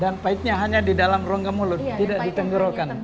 dan paitnya hanya di dalam rongga mulut tidak ditenggorokan